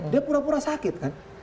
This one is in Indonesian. dia pura pura sakit